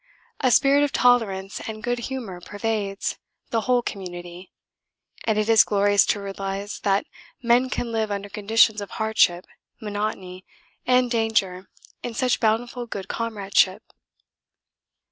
A spirit of tolerance and good humour pervades the whole community, and it is glorious to realise that men can live under conditions of hardship, monotony, and danger in such bountiful good comradeship.